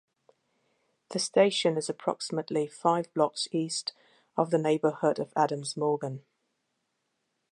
The station is approximately five blocks east of the neighborhood of Adams Morgan.